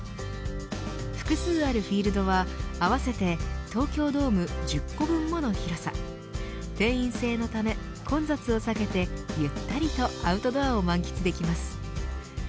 複数あるフィールドは合わせて東京ドーム１０個分もの広さ定員制のため混雑を避けてゆったりとアウトドアを満喫できます。